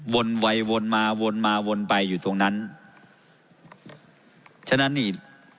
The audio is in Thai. วนไปวนมาวนมาวนไปอยู่ตรงนั้นฉะนั้นนี่